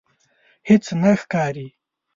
هیڅ نه ښکاري